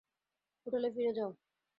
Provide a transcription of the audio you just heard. হোটেলে ফিরে যাও।